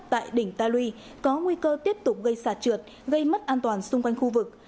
tại đỉnh ta lui có nguy cơ tiếp tục gây sạt trượt gây mất an toàn xung quanh khu vực